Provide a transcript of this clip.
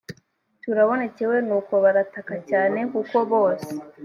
turabonekewe nuko barataka cyane kuko bose